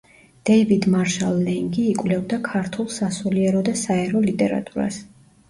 დეივიდ მარშალ ლენგი იკვლევდა ქართულ სასულიერო და საერო ლიტერატურას.